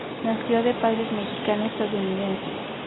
Nació de padres mexicano-estadounidenses.